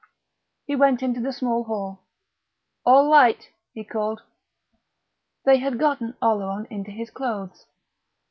He went into the small hall. "All right!" he called. They had got Oleron into his clothes.